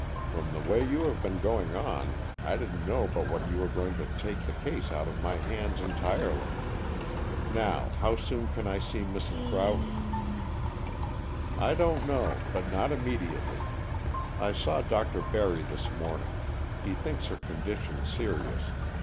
From the way you have been going on, I didn't know but what you were going to take the case out of my hands entirely. Now, how soon can I see Mrs. Broughton?" "I don't know, but not immediately. I saw Dr. Barry this morning. He thinks her condition serious.